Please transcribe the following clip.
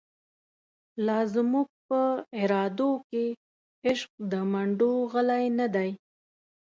لازموږ په ارادوکی، عشق دمنډوغلی نه دی